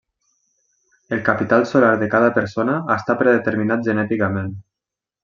El capital solar de cada persona està predeterminat genèticament.